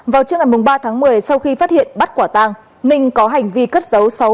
vào trước ngày ba tháng một mươi sau khi phát hiện bắt quả tang ninh có hành vi cất dấu